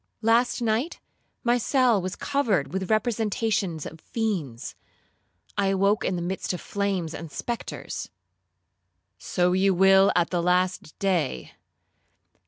Last night, my cell was covered with representations of fiends. I awoke in the midst of flames and spectres.'—'So you will at the last day!'